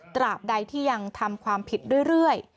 ตราบใดที่ยังทำความผิดเรื่อย